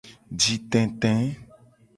Jitete.